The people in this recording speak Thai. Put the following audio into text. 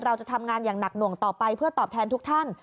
เราจะทำงานอย่างหนักหน่วงต่อไปเพื่อตอบแทนทุกท่าน